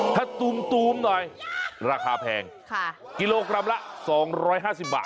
ถ้าตูมหน่อยราคาแพงกิโลกรัมละ๒๕๐บาท